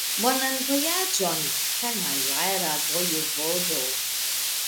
Bonan vojaĝon, kanajlara vojevodo!